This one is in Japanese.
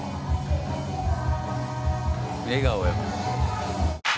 「笑顔やな」